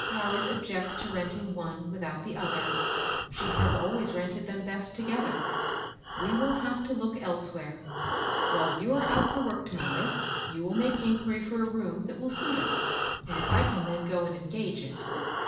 Powers objects to rent ing one without the other. She has always rented 128 MABEL ROSS. C them best together. We will have to look else where. While you are out for work to morrow you will make inquiry for a room that will suit us, and I can then go and engage it.''